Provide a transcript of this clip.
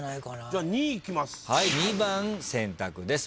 じゃあ２いきます。